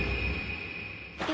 え。